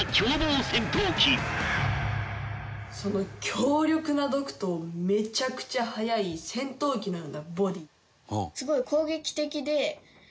強力な毒とめちゃくちゃ速い戦闘機のようなボディー。